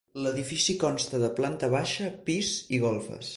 L'edifici consta de planta baixa, pis i golfes.